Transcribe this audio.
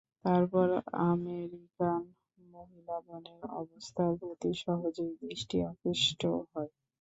তারপর আমেরিকান মহিলাগণের অবস্থার প্রতি সহজেই দৃষ্টি আকৃষ্ট হয়।